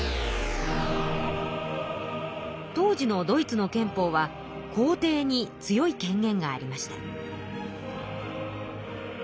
当時のドイツの憲法は皇帝に強い権限がありました。